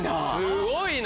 すごいな！